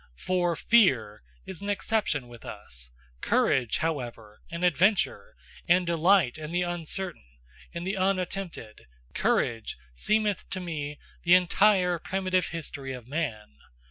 For FEAR is an exception with us. Courage, however, and adventure, and delight in the uncertain, in the unattempted COURAGE seemeth to me the entire primitive history of man.